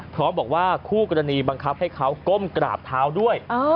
พร้อมบอกว่าคู่กรณีบังคับให้เขาก้มกราบเท้าด้วย